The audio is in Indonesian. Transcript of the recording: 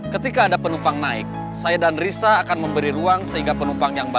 ketika ada penumpang naik saya dan risa akan memberi ruang untuk kembali ke angkot